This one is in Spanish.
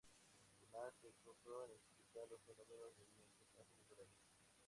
Además, se esforzó en explicar los fenómenos mediante causas naturales.